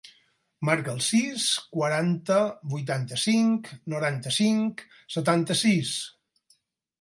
Marca el sis, quaranta, vuitanta-cinc, noranta-cinc, setanta-sis.